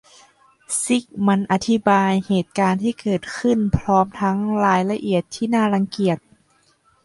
ซิกมันด์อธิบายเหตุการณ์ที่เกิดขึ้นพร้อมทั้งรายละเอียดที่น่ารังเกียจ